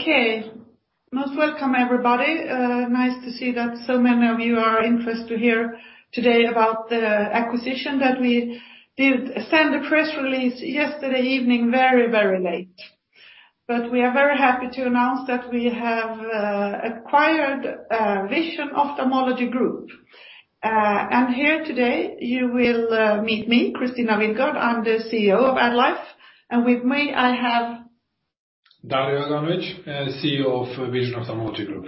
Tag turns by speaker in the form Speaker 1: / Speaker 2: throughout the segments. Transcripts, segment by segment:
Speaker 1: Okay. Most welcome, everybody. Nice to see that so many of you are interested to hear today about the acquisition that we did send a press release yesterday evening, very, very late. But we are very happy to announce that we have acquired Vision Ophthalmology Group. And here today, you will meet me, Kristina Willgård. I'm the CEO of AddLife. And with me, I have.
Speaker 2: Dario Aganovic, CEO of Vision Ophthalmology Group.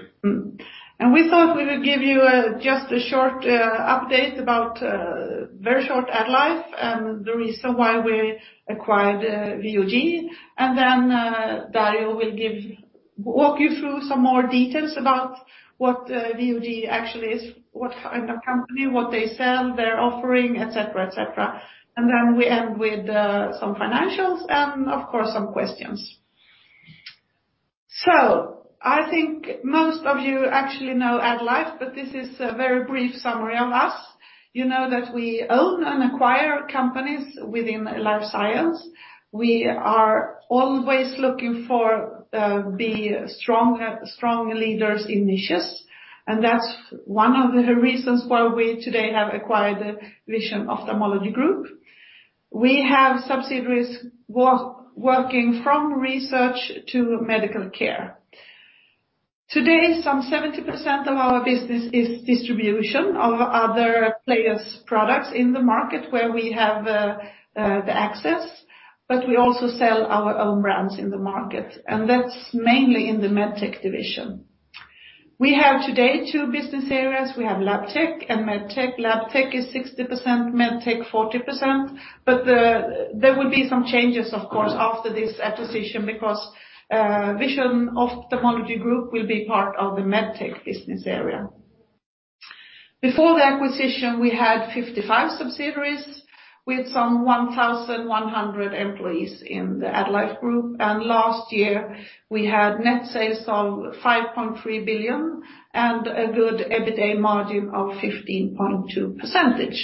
Speaker 1: We thought we would give you just a short update about a very short AddLife and the reason why we acquired VOG. Then Dario will walk you through some more details about what VOG actually is, what kind of company, what they sell, their offering, etc., etc. Then we end with some financials and, of course, some questions. I think most of you actually know AddLife, but this is a very brief summary of us. You know that we own and acquire companies within life science. We are always looking for strong leaders in niches. That's one of the reasons why we today have acquired Vision Ophthalmology Group. We have subsidiaries working from research to medical care. Today, some 70% of our business is distribution of other players' products in the market where we have access. We also sell our own brands in the market. That's mainly in the Medtech division. We have today two business areas. We have Labtech and Medtech. Labtech is 60%, Medtech 40%. But there will be some changes, of course, after this acquisition because Vision Ophthalmology Group will be part of the Medtech business area. Before the acquisition, we had 55 subsidiaries with some 1,100 employees in the AddLife Group. Last year, we had net sales of 5.3 billion SEK and a good EBITDA margin of 15.2%.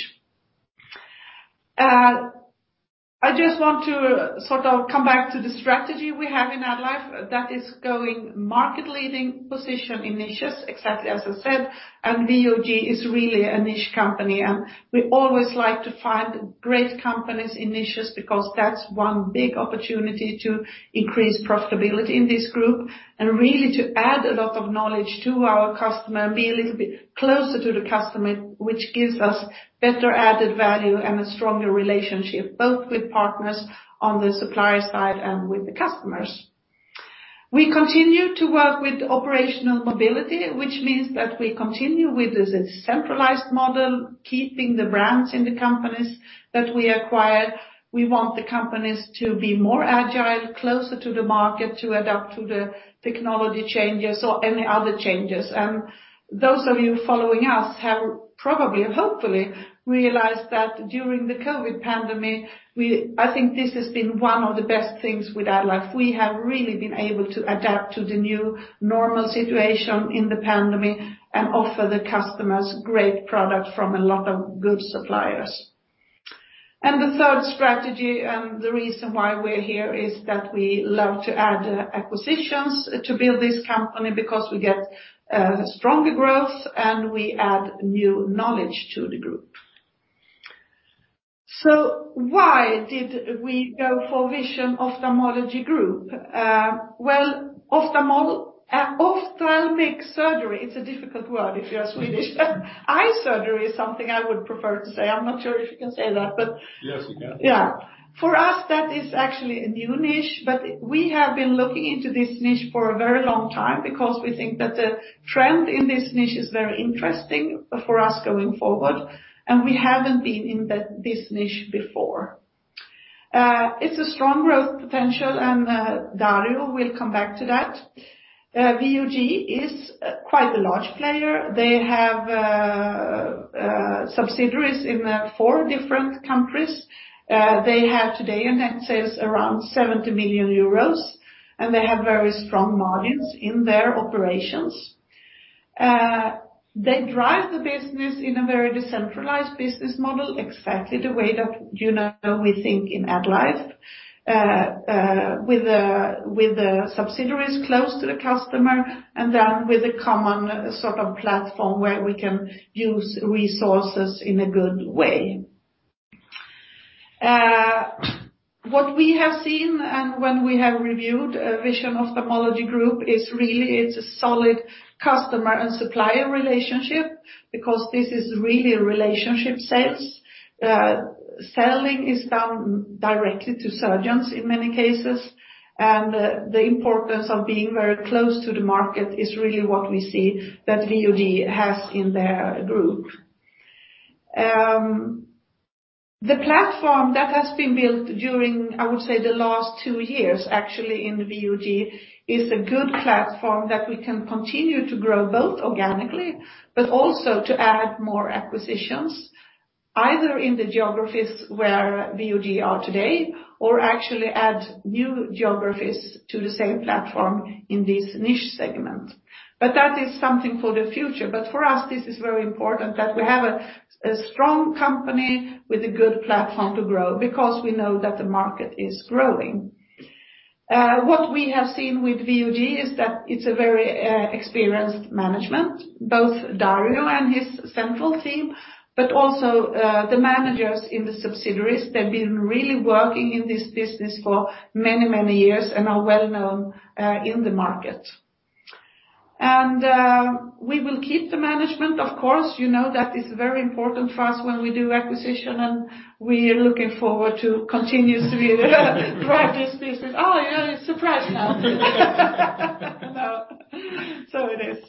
Speaker 1: I just want to sort of come back to the strategy we have in AddLife that is going market-leading position in niches, exactly as I said. VOG is really a niche company. And we always like to find great companies in niches because that's one big opportunity to increase profitability in this group and really to add a lot of knowledge to our customer and be a little bit closer to the customer, which gives us better added value and a stronger relationship both with partners on the supplier side and with the customers. We continue to work with operational mobility, which means that we continue with this centralized model, keeping the brands in the companies that we acquired. We want the companies to be more agile, closer to the market, to adapt to the technology changes or any other changes. And those of you following us have probably, hopefully, realized that during the COVID pandemic, I think this has been one of the best things with AddLife. We have really been able to adapt to the new normal situation in the pandemic and offer the customers great products from a lot of good suppliers. And the third strategy and the reason why we're here is that we love to add acquisitions to build this company because we get stronger growth and we add new knowledge to the group. So why did we go for Vision Ophthalmology Group? Well, ophthalmic surgery, it's a difficult word if you're Swedish. Eye surgery is something I would prefer to say. I'm not sure if you can say that, but.
Speaker 2: Yes, you can.
Speaker 1: Yeah. For us, that is actually a new niche, but we have been looking into this niche for a very long time because we think that the trend in this niche is very interesting for us going forward. And we haven't been in this niche before. It's a strong growth potential. And Dario will come back to that. VOG is quite a large player. They have subsidiaries in four different countries. They have today net sales around 70 million euros. And they have very strong margins in their operations. They drive the business in a very decentralized business model, exactly the way that we think in AddLife, with the subsidiaries close to the customer and then with a common sort of platform where we can use resources in a good way. What we have seen and when we have reviewed Vision Ophthalmology Group is really, it's a solid customer and supplier relationship because this is really a relationship sales. Selling is done directly to surgeons in many cases, and the importance of being very close to the market is really what we see that VOG has in their group. The platform that has been built during, I would say, the last two years, actually, in VOG is a good platform that we can continue to grow both organically, but also to add more acquisitions, either in the geographies where VOG are today or actually add new geographies to the same platform in this niche segment, but that is something for the future, but for us, this is very important that we have a strong company with a good platform to grow because we know that the market is growing. What we have seen with VOG is that it's a very experienced management, both Dario and his central team, but also the managers in the subsidiaries. They've been really working in this business for many, many years and are well-known in the market. And we will keep the management, of course. You know that is very important for us when we do acquisition. And we are looking forward to continuously grow this business. Oh, you're surprised now. So it is.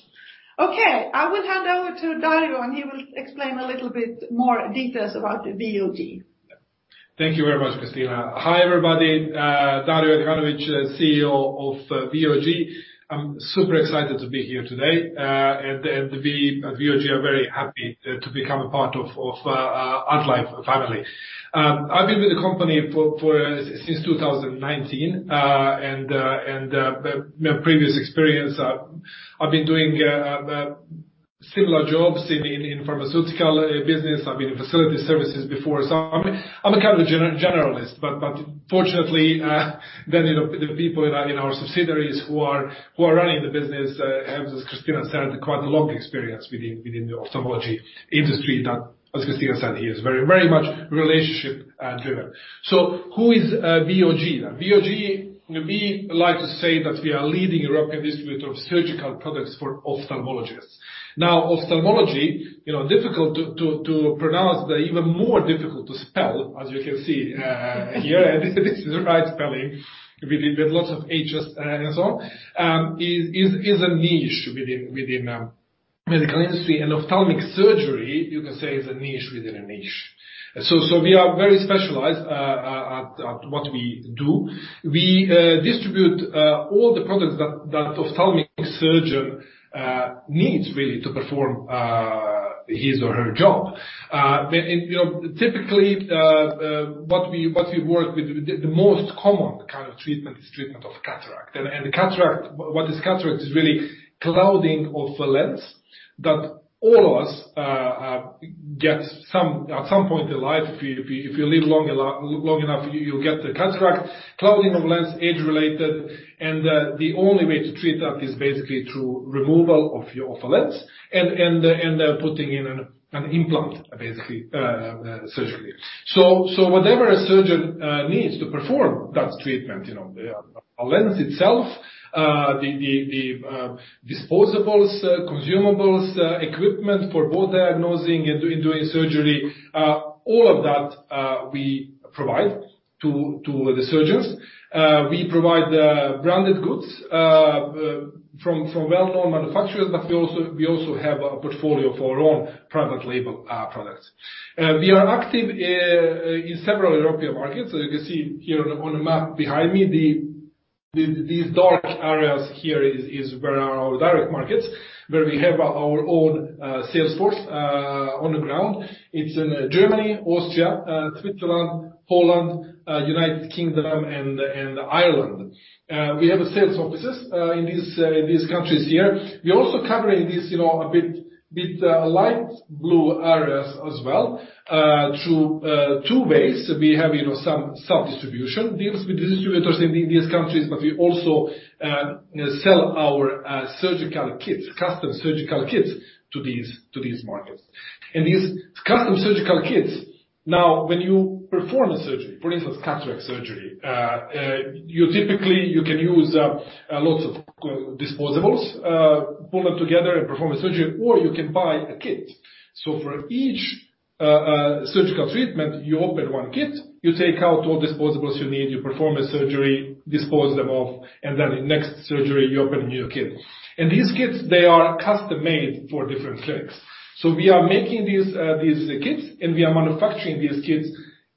Speaker 1: Okay. I will hand over to Dario, and he will explain a little bit more details about VOG.
Speaker 2: Thank you very much, Kristina. Hi, everybody. Dario Aganovic, CEO of VOG. I'm super excited to be here today. And we at VOG are very happy to become a part of AddLife family. I've been with the company since 2019. And my previous experience, I've been doing similar jobs in the pharmaceutical business. I've been in facility services before. So I'm a kind of generalist. But fortunately, then the people in our subsidiaries who are running the business have, as Kristina said, quite a long experience within the ophthalmology industry that, as Kristina said, here is very much relationship-driven. So who is VOG? VOG, we like to say that we are a leading European distributor of surgical products for ophthalmologists. Now, ophthalmology, difficult to pronounce, even more difficult to spell, as you can see here. this is the right spelling with lots of Hs and so on, is a niche within the medical industry, and ophthalmic surgery, you can say, is a niche within a niche, so we are very specialized at what we do. We distribute all the products that the ophthalmic surgeon needs, really, to perform his or her job. Typically, what we work with, the most common kind of treatment is treatment of cataract, and what is cataract is really clouding of the lens that all of us get at some point in life. If you live long enough, you'll get the cataract. Clouding of lens, age-related, and the only way to treat that is basically through removal of the lens and putting in an implant, basically, surgically. So whatever a surgeon needs to perform that treatment, the lens itself, the disposables, consumables, equipment for both diagnosing and doing surgery, all of that we provide to the surgeons. We provide branded goods from well-known manufacturers, but we also have a portfolio of our own private label products. We are active in several European markets. So you can see here on the map behind me, these dark areas here are our direct markets, where we have our own sales force on the ground. It's in Germany, Austria, Switzerland, Poland, United Kingdom, and Ireland. We have sales offices in these countries here. We're also covering these a bit light blue areas as well through two ways. We have some sub-distribution deals with the distributors in these countries, but we also sell our surgical kits, custom surgical kits to these markets. These custom surgical kits, now, when you perform a surgery, for instance, cataract surgery, typically, you can use lots of disposables, pull them together and perform a surgery, or you can buy a kit. For each surgical treatment, you open one kit, you take out all disposables you need, you perform a surgery, dispose them off, and then in the next surgery, you open a new kit. These kits, they are custom-made for different clinics. We are making these kits, and we are manufacturing these kits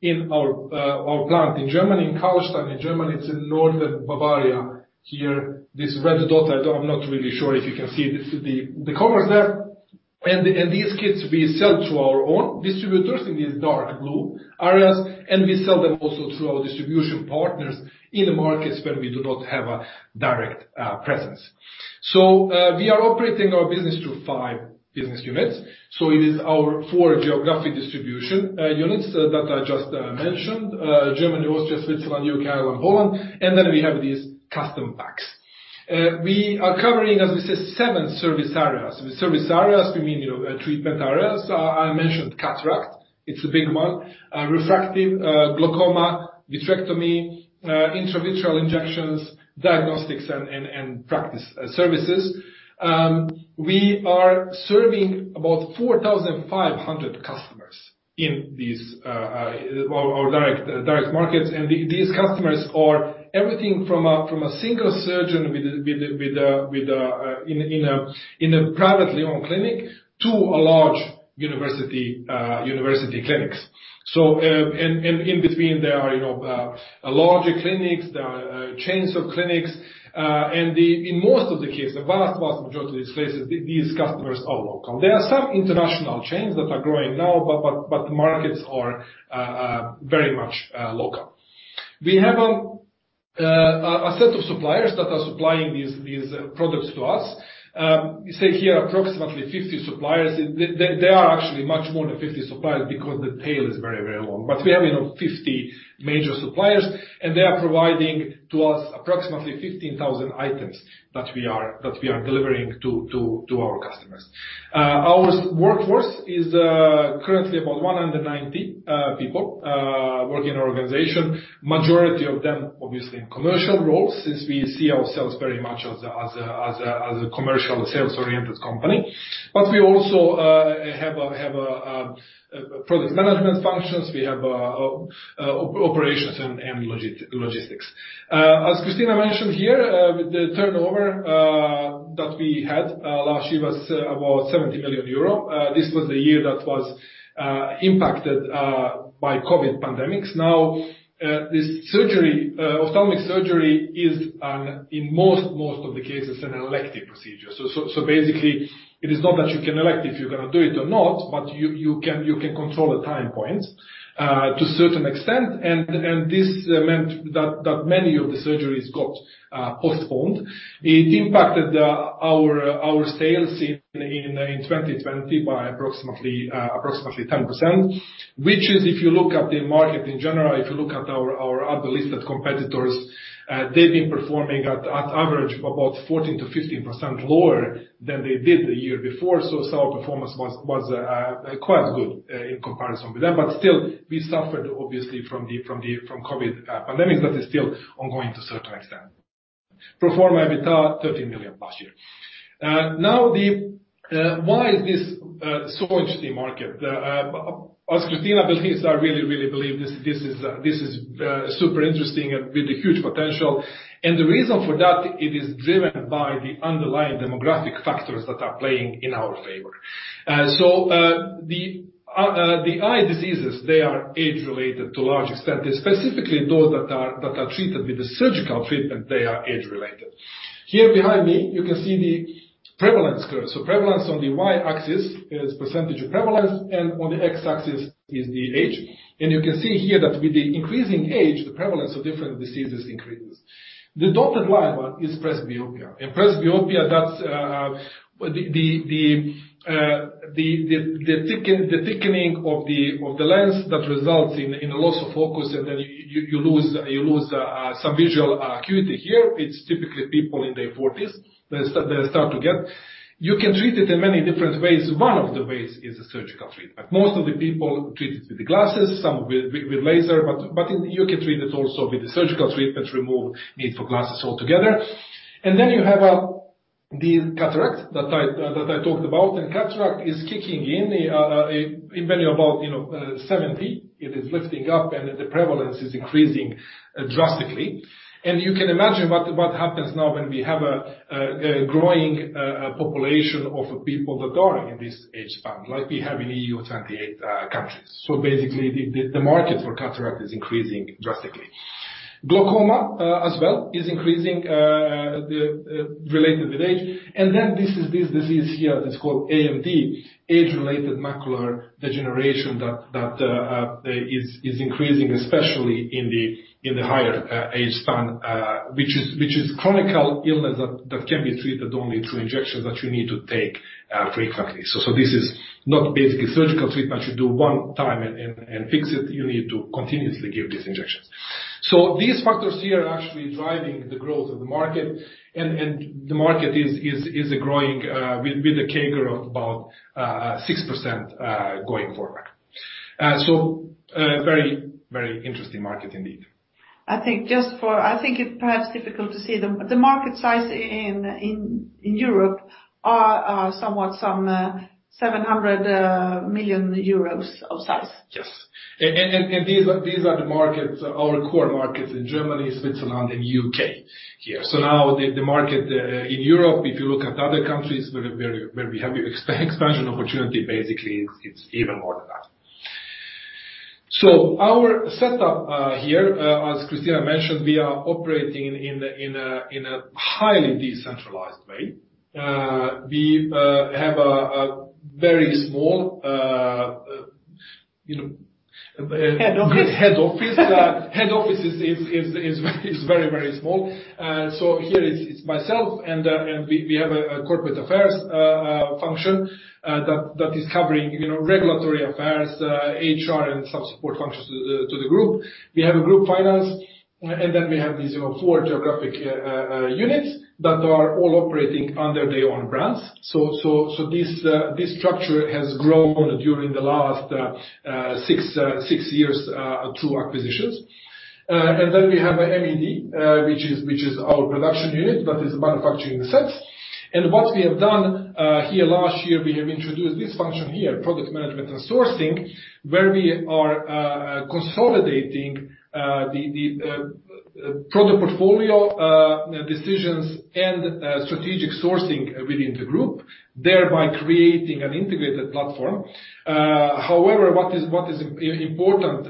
Speaker 2: in our plant in Germany, in Karlstein, in Germany. It's in northern Bavaria here. This red dot, I'm not really sure if you can see the corners there. These kits, we sell to our own distributors in these dark blue areas, and we sell them also through our distribution partners in markets where we do not have a direct presence. We are operating our business through five business units. It is our four geographic distribution units that I just mentioned: Germany, Austria, Switzerland, Ukraine, and Poland. Then we have these custom packs. We are covering, as we said, seven service areas. With service areas, we mean treatment areas. I mentioned cataract. It's a big one. Refractive, glaucoma, vitrectomy, intravitreal injections, diagnostics, and practice services. We are serving about 4,500 customers in our direct markets. These customers are everything from a single surgeon in a privately owned clinic to a large university clinic. In between, there are larger clinics. There are chains of clinics. And in most of the cases, the vast, vast majority of these places, these customers are local. There are some international chains that are growing now, but the markets are very much local. We have a set of suppliers that are supplying these products to us. You see here approximately 50 suppliers. They are actually much more than 50 suppliers because the tail is very, very long. But we have 50 major suppliers. And they are providing to us approximately 15,000 items that we are delivering to our customers. Our workforce is currently about 190 people working in our organization, majority of them, obviously, in commercial roles since we see ourselves very much as a commercial sales-oriented company. But we also have product management functions. We have operations and logistics. As Kristina mentioned here, the turnover that we had last year was about 70 million euro. This was the year that was impacted by COVID pandemics. Now, this surgery, ophthalmic surgery, is in most of the cases an elective procedure. So basically, it is not that you can elect if you're going to do it or not, but you can control the time points to a certain extent. And this meant that many of the surgeries got postponed. It impacted our sales in 2020 by approximately 10%, which is, if you look at the market in general, if you look at our other listed competitors, they've been performing at average about 14%-15% lower than they did the year before. So our performance was quite good in comparison with them. But still, we suffered, obviously, from the COVID pandemic that is still ongoing to a certain extent. Pro forma EBITDA, 13 million last year. Now, why is this so interesting market? As Kristina Willgård really, really believed, this is super interesting and with a huge potential, and the reason for that, it is driven by the underlying demographic factors that are playing in our favor, so the eye diseases, they are age-related to a large extent. Specifically, those that are treated with the surgical treatment, they are age-related. Here behind me, you can see the prevalence curve, so prevalence on the Y-axis is percentage of prevalence, and on the X-axis is the age, and you can see here that with the increasing age, the prevalence of different diseases increases. The dotted line one is presbyopia, and presbyopia, that's the thickening of the lens that results in a loss of focus, and then you lose some visual acuity here. It's typically people in their 40s that start to get. You can treat it in many different ways. One of the ways is a surgical treatment. Most of the people treat it with glasses, some with laser, but you can treat it also with the surgical treatment, remove need for glasses altogether, and then you have the cataract that I talked about, and cataract is kicking in when you're about 70. It is lifting up, and the prevalence is increasing drastically, and you can imagine what happens now when we have a growing population of people that are in this age span, like we have in EU 28 countries, so basically, the market for cataract is increasing drastically. Glaucoma as well is increasing related with age, and then this disease here is called AMD, age-related macular degeneration that is increasing, especially in the higher age span, which is a chronic illness that can be treated only through injections that you need to take frequently. So this is not basically surgical treatment. You do one time and fix it. You need to continuously give these injections. So these factors here are actually driving the growth of the market. And the market is growing with a CAGR of about 6% going forward. So a very, very interesting market indeed.
Speaker 1: I think it's perhaps difficult to see the market size in Europe are somewhat 700 million euros of size.
Speaker 2: Yes. And these are the markets, our core markets in Germany, Switzerland, and the U.K. here. So now the market in Europe, if you look at other countries, where we have expansion opportunity, basically, it's even more than that. So our setup here, as Kristina mentioned, we are operating in a highly decentralized way. We have a very small. Head office. Head office. Head office is very, very small, so here it's myself, and we have a corporate affairs function that is covering regulatory affairs, HR, and some support functions to the group. We have a group finance, and then we have these four geographic units that are all operating under their own brands, so this structure has grown during the last six years through acquisitions, and then we have MED, which is our production unit that is manufacturing the sets, and what we have done here last year, we have introduced this function here, product management and sourcing, where we are consolidating the product portfolio decisions and strategic sourcing within the group, thereby creating an integrated platform. However, what is important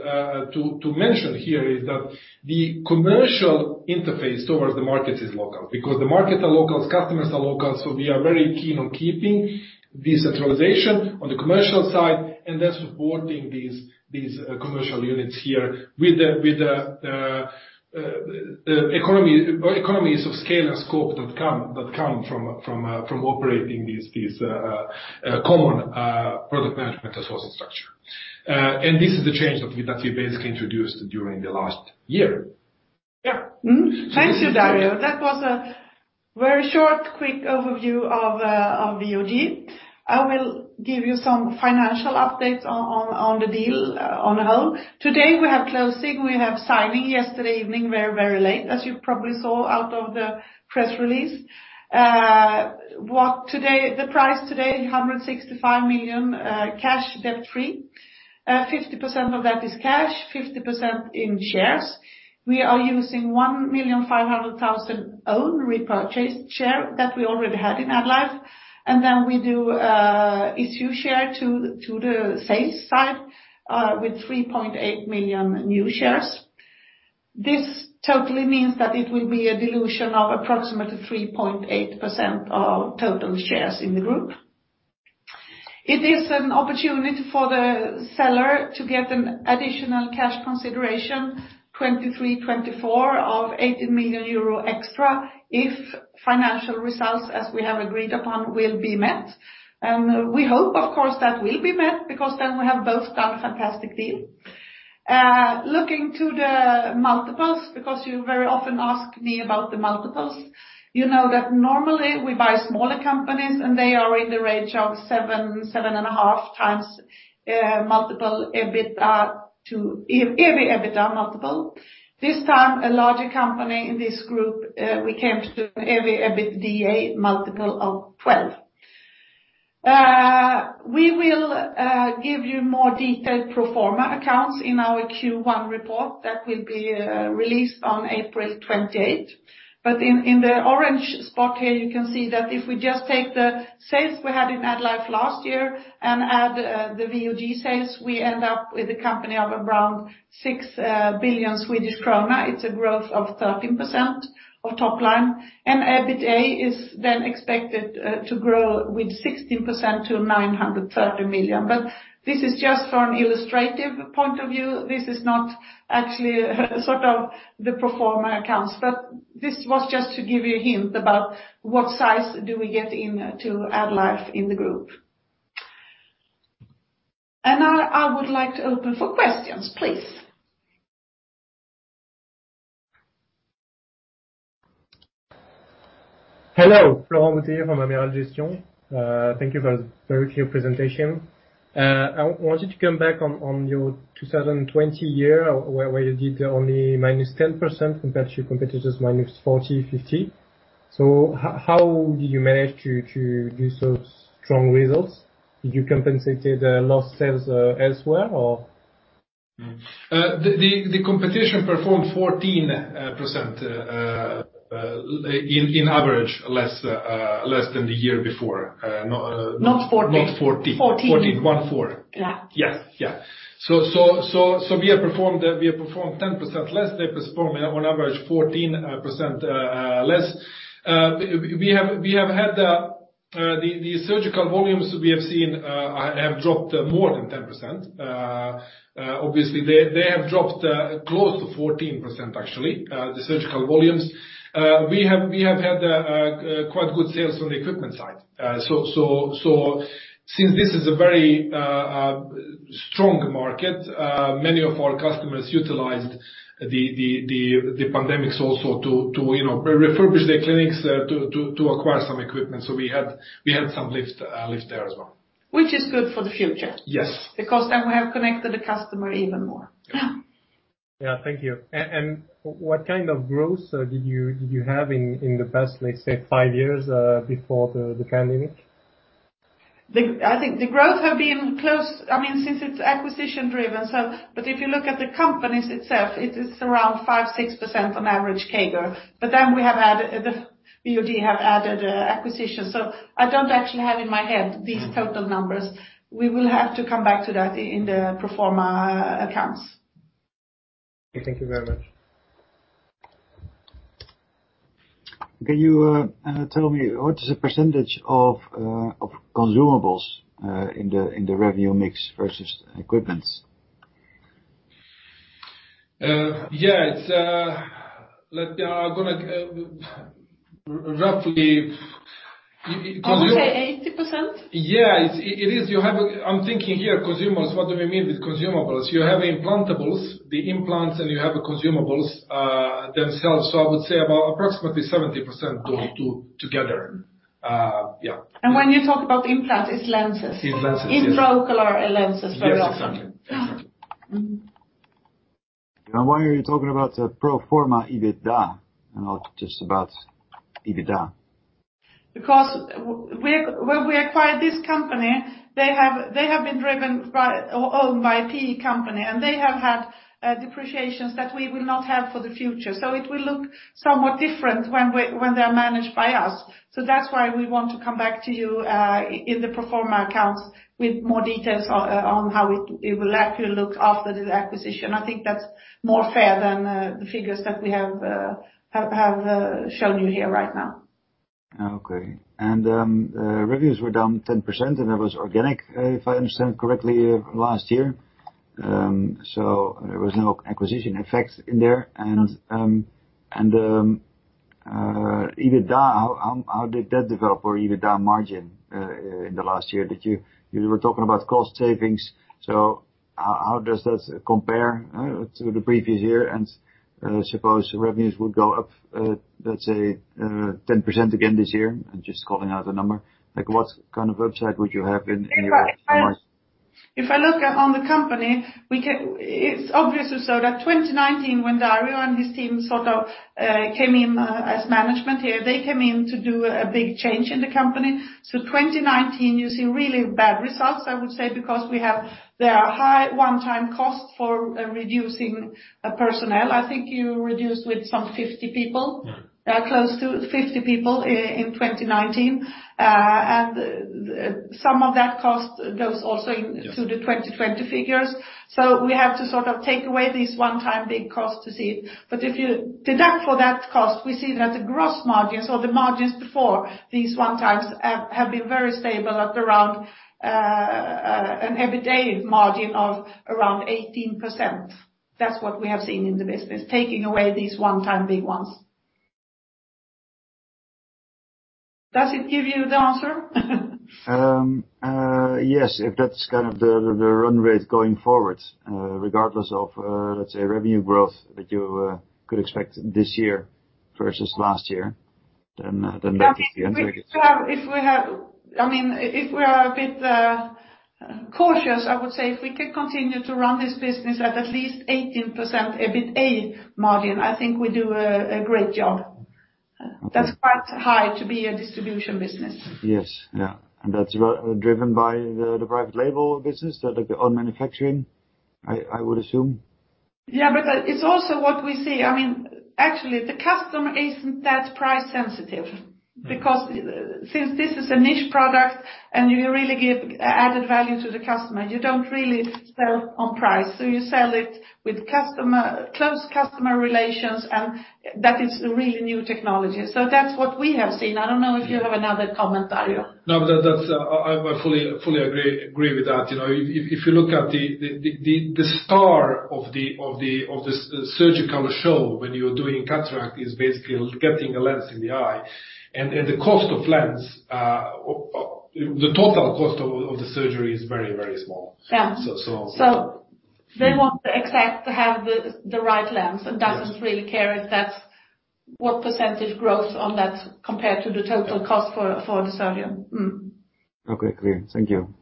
Speaker 2: to mention here is that the commercial interface towards the market is local because the markets are local, customers are local. So we are very keen on keeping decentralization on the commercial side and then supporting these commercial units here with the economies of scale and scope that come from operating this common product management and sourcing structure. And this is the change that we basically introduced during the last year. Yeah.
Speaker 1: Thank you, Dario. That was a very short, quick overview of VOG. I will give you some financial updates on the deal on the whole. Today, we have closing. We have signing yesterday evening, very, very late, as you probably saw out of the press release. The price today, 165 million cash, debt-free. 50% of that is cash, 50% in shares. We are using 1,500,000 owned repurchased share that we already had in AddLife. And then we do issue share to the sales side with 3.8 million new shares. This totally means that it will be a dilution of approximately 3.8% of total shares in the group. It is an opportunity for the seller to get an additional cash consideration 23/24 of 18 million euro extra if financial results, as we have agreed upon, will be met. We hope, of course, that will be met because then we have both done a fantastic deal. Looking to the multiples, because you very often ask me about the multiples, you know that normally we buy smaller companies, and they are in the range of 7, 7.5 times multiple EBITDA to EBITDA multiple. This time, a larger company in this group, we came to an EBITDA multiple of 12. We will give you more detailed pro forma accounts in our Q1 report that will be released on April 28. But in the orange spot here, you can see that if we just take the sales we had in AddLife last year and add the VOG sales, we end up with a company of around 6 billion Swedish krona. It's a growth of 13% of top line. And EBITDA is then expected to grow with 16% to 930 million. But this is just for an illustrative point of view. This is not actually sort of the pro forma accounts. But this was just to give you a hint about what size do we get into AddLife in the group. And now I would like to open for questions, please. Hello. Florent Boutier from Amiral Gestion. Thank you for this very clear presentation. I wanted to come back on your 2020 year where you did only -10% compared to your competitors' -40%-50%. So how did you manage to do such strong results? Did you compensate the lost sales elsewhere or?
Speaker 2: The competition performed 14% on average less than the year before. Not 40. Not 40. 14. 14.14. Yeah. Yes. Yeah. So we have performed 10% less. They performed on average 14% less. We have had the surgical volumes we have seen have dropped more than 10%. Obviously, they have dropped close to 14%, actually, the surgical volumes. We have had quite good sales on the equipment side. So since this is a very strong market, many of our customers utilized the pandemic also to refurbish their clinics, to acquire some equipment. So we had some lift there as well.
Speaker 1: Which is good for the future.
Speaker 2: Yes.
Speaker 1: Because then we have connected the customer even more. Yeah. Yeah. Thank you. And what kind of growth did you have in the past, let's say, five years before the pandemic? I think the growth has been close, I mean, since it's acquisition-driven. But if you look at the companies itself, it is around 5-6% on average CAGR. But then we have added the VOG have added acquisition. So I don't actually have in my head these total numbers. We will have to come back to that in the pro forma accounts. Thank you very much. Can you tell me what is the percentage of consumables in the revenue mix versus equipment?
Speaker 2: Yeah. Roughly.
Speaker 1: I would say 80%?
Speaker 2: Yeah. It is. I'm thinking here, consumables, what do we mean with consumables? You have implantables, the implants, and you have consumables themselves. So I would say about approximately 70% together. Yeah.
Speaker 1: When you talk about implants, it's lenses.
Speaker 2: It's lenses. Intraocular lenses, very often. Yes. Exactly. Exactly. Why are you talking about the pro forma EBITDA and not just about EBITDA?
Speaker 1: Because when we acquired this company, they have been owned by a PE company, and they have had depreciations that we will not have for the future. So it will look somewhat different when they are managed by us. So that's why we want to come back to you in the pro forma accounts with more details on how it will look after the acquisition. I think that's more fair than the figures that we have shown you here right now. Okay. And revenues were down 10%, and that was organic, if I understand correctly, last year. So there was no acquisition effect in there. And EBITDA, how did that develop or EBITDA margin in the last year? You were talking about cost savings. So how does that compare to the previous year? And suppose revenues would go up, let's say, 10% again this year, I'm just calling out a number. What kind of upside would you have in your margin? If I look on the company, it's obviously so that 2019, when Dario and his team sort of came in as management here, they came in to do a big change in the company. 2019, you see really bad results, I would say, because there are high one-time costs for reducing personnel. I think you reduced with some 50 people, close to 50 people in 2019. Some of that cost goes also into the 2020 figures. We have to sort of take away this one-time big cost to see it. But if you deduct for that cost, we see that the gross margins or the margins before these one-times have been very stable at around an EBITDA margin of around 18%. That's what we have seen in the business, taking away these one-time big ones. Does it give you the answer? Yes. If that's kind of the run rate going forward, regardless of, let's say, revenue growth that you could expect this year versus last year, then that is the answer. If we have, I mean, if we are a bit cautious, I would say if we could continue to run this business at least 18% EBITDA margin, I think we do a great job. That's quite high to be a distribution business. Yes. Yeah. And that's driven by the private label business, the own manufacturing, I would assume? Yeah. But it's also what we see. I mean, actually, the customer isn't that price sensitive because since this is a niche product and you really give added value to the customer, you don't really sell on price. So you sell it with close customer relations, and that is a really new technology. So that's what we have seen. I don't know if you have another comment, Dario.
Speaker 2: No, I fully agree with that. If you look at the star of the surgical show when you're doing cataract, is basically getting a lens in the eye, and the cost of lens, the total cost of the surgery is very, very small. Yeah. So they want exactly the right lens and doesn't really care if that's what percentage growth on that compared to the total cost for the surgeon. Okay. Great. Thank you.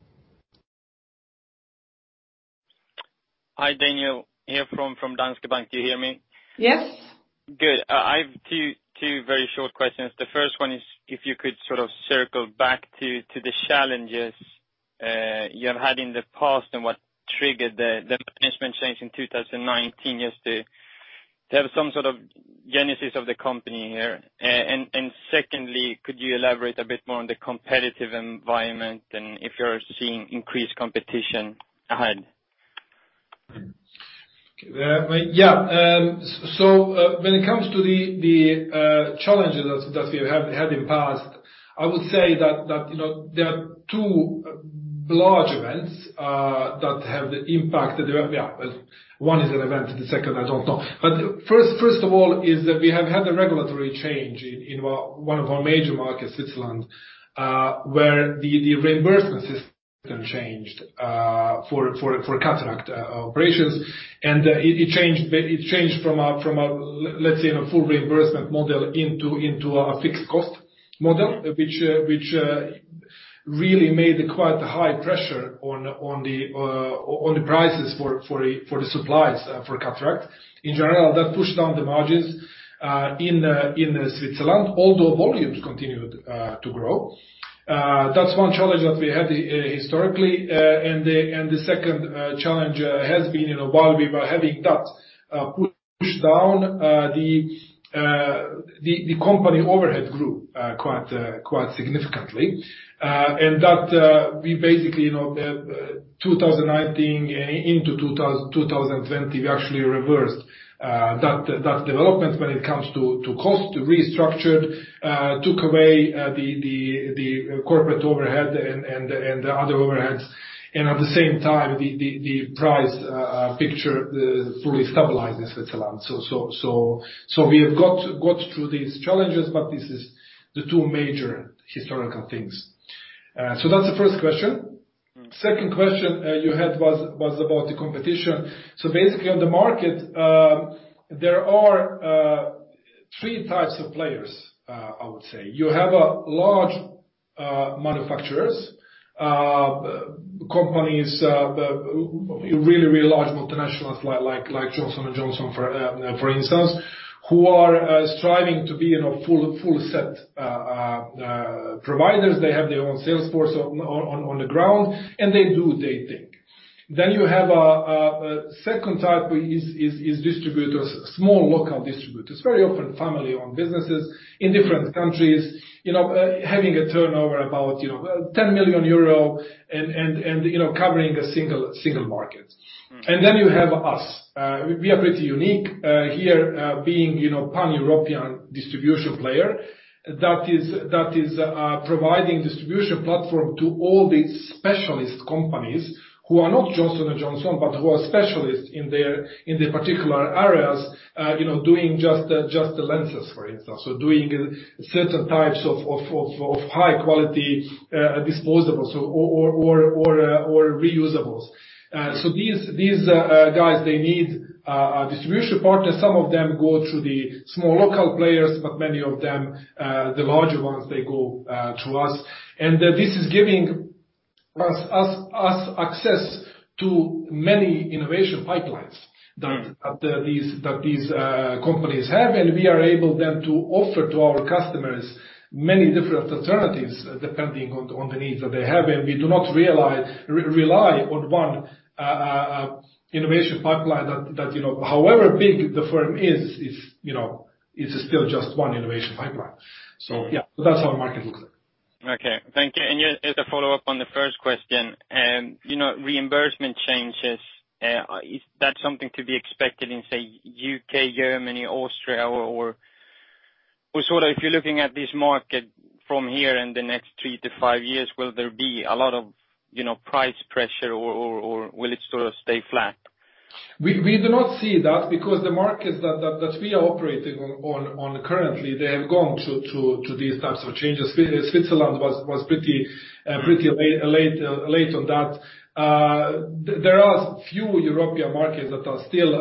Speaker 2: Hi, Daniel. Here from Danske Bank. Do you hear me? Yes. Good. I have two very short questions. The first one is if you could sort of circle back to the challenges you have had in the past and what triggered the management change in 2019 just to have some sort of genesis of the company here. And secondly, could you elaborate a bit more on the competitive environment and if you're seeing increased competition ahead? Yeah. So when it comes to the challenges that we had in the past, I would say that there are two large events that have impacted. Yeah. One is an event. The second, I don't know. But first of all, is that we have had a regulatory change in one of our major markets, Switzerland, where the reimbursement system changed for cataract operations. And it changed from a, let's say, a full reimbursement model into a fixed cost model, which really made quite a high pressure on the prices for the supplies for cataract. In general, that pushed down the margins in Switzerland, although volumes continued to grow. That's one challenge that we had historically. And the second challenge has been while we were having that push down, the company overhead grew quite significantly. That we basically in 2019 into 2020, we actually reversed that development when it comes to cost, restructured, took away the corporate overhead and other overheads. At the same time, the price picture fully stabilized in Switzerland. We have got through these challenges, but this is the two major historical things. That's the first question. Second question you had was about the competition. Basically, on the market, there are three types of players, I would say. You have large manufacturers, companies, really, really large multinationals like Johnson & Johnson, for instance, who are striving to be full-set providers. They have their own sales force on the ground, and they do their thing. You have a second type is distributors, small local distributors, very often family-owned businesses in different countries, having a turnover about 10 million euro and covering a single market. And then you have us. We are pretty unique here being a pan-European distribution player that is providing distribution platform to all the specialist companies who are not Johnson & Johnson, but who are specialists in their particular areas, doing just the lenses, for instance, or doing certain types of high-quality disposables or reusables. So these guys, they need a distribution partner. Some of them go through the small local players, but many of them, the larger ones, they go to us. And this is giving us access to many innovation pipelines that these companies have. And we are able then to offer to our customers many different alternatives depending on the needs that they have. And we do not rely on one innovation pipeline that, however big the firm is, it's still just one innovation pipeline. So yeah, that's how the market looks like. Okay. Thank you, and just a follow-up on the first question. Reimbursement changes, is that something to be expected in, say, U.K., Germany, Austria, or sort of if you're looking at this market from here in the next three to five years, will there be a lot of price pressure, or will it sort of stay flat? We do not see that because the markets that we are operating on currently, they have gone to these types of changes. Switzerland was pretty late on that. There are few European markets that are still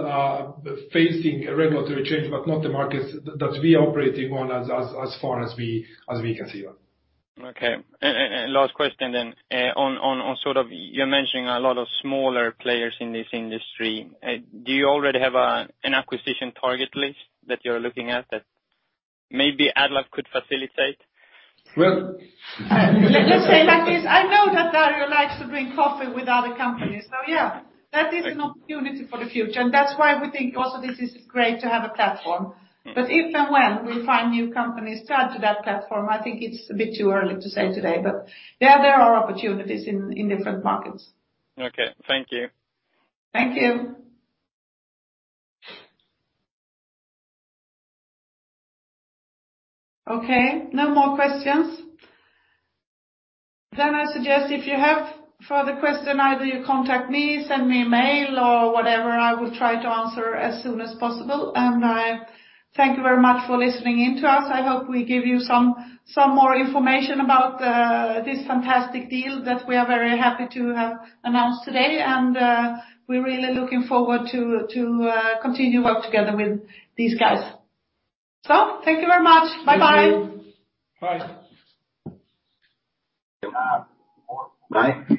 Speaker 2: facing regulatory change, but not the markets that we are operating on as far as we can see. Okay. And last question then. On sort of you're mentioning a lot of smaller players in this industry. Do you already have an acquisition target list that you're looking at that maybe AddLife could facilitate? Well.
Speaker 1: Let's say, that is, I know that Dario likes to drink coffee with other companies. So yeah, that is an opportunity for the future. And that's why we think also this is great to have a platform. But if and when we find new companies to add to that platform, I think it's a bit too early to say today. But there are opportunities in different markets. Okay. Thank you. Thank you. Okay. No more questions. Then I suggest if you have further questions, either you contact me, send me a mail, or whatever. I will try to answer as soon as possible. And thank you very much for listening in to us. I hope we give you some more information about this fantastic deal that we are very happy to have announced today. And we're really looking forward to continue working together with these guys. So thank you very much. Bye-bye.
Speaker 2: Thank you. Bye. Bye.